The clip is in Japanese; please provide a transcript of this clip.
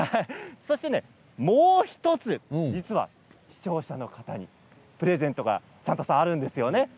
もう１つ実は視聴者の方にプレゼントがサンタさん、あるんですね。